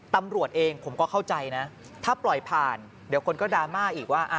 ตำรวจเองผมก็เข้าใจนะถ้าปล่อยผ่านเดี๋ยวคนก็ดราม่าอีกว่า